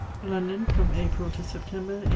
London, from April to September, 1822.